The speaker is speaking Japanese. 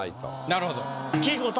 なるほど。